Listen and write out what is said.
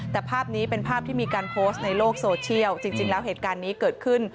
แต่ภาพนี้เป็นภาพที่มีการโพสต์ในโลกโซเชียลจริงแล้วเหตุการณ์นี้เกิดขึ้น